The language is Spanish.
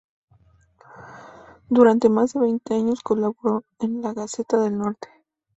Durante más de veinte años colaboró en "La Gaceta del Norte".